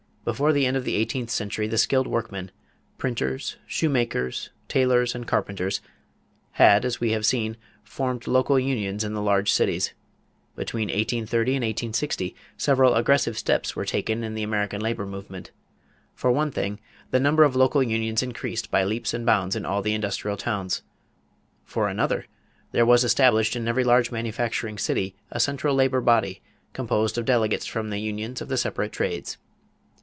Before the end of the eighteenth century, the skilled workmen printers, shoemakers, tailors, and carpenters had, as we have seen, formed local unions in the large cities. Between 1830 and 1860, several aggressive steps were taken in the American labor movement. For one thing, the number of local unions increased by leaps and bounds in all the industrial towns. For another, there was established in every large manufacturing city a central labor body composed of delegates from the unions of the separate trades.